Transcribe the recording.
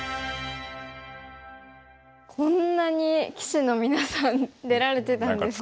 こんなに棋士のみなさん出られてたんですね。